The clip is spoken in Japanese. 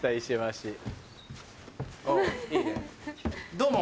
どうも。